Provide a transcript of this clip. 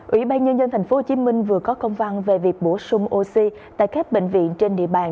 ủy ban nhân dân tp hcm vừa có công văn về việc bổ sung oxy tại các bệnh viện trên địa bàn